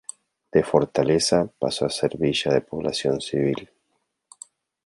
De fortaleza pasó a ser villa de población civil.